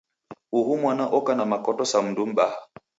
Uhu mwana oka na makoto sa mundu mbaha.